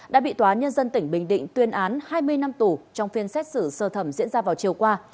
đã bị tòa nhân dân tỉnh bình định tuyên án hai mươi năm tù trong phiên xét xử sơ thẩm diễn ra vào chiều qua